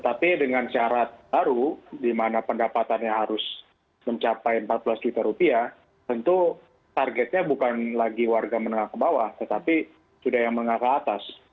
tapi dengan syarat baru di mana pendapatannya harus mencapai empat belas juta rupiah tentu targetnya bukan lagi warga menengah ke bawah tetapi sudah yang menengah ke atas